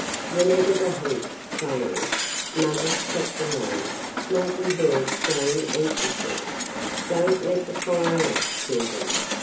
Whenever the heat failed, mother Chapdelaine might be heard saying anxiously. "Don't let the fire out, children."